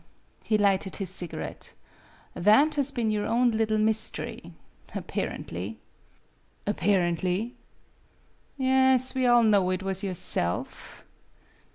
He lighted his cigarette. "That has been your own little mystery appa rently." " Apparently ?"" Yes; we all knew it was yourself."